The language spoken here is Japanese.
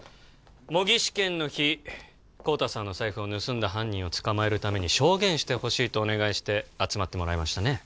模擬試験の日孝多さんの財布を盗んだ犯人を捕まえるために証言してほしいとお願いして集まってもらいましたね